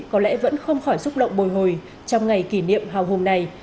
có lẽ vẫn không khỏi xúc động bồi hồi trong ngày kỷ niệm hào hùng này